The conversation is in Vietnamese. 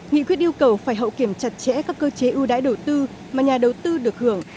nghị quyết yêu cầu phải hậu kiểm chặt chẽ các cơ chế ưu đãi đầu tư mà nhà đầu tư được hưởng